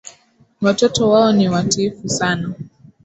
Watoto wao ni watiifu sana